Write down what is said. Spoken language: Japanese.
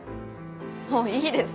もういいです。